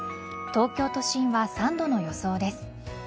東京都心は３度の予想です。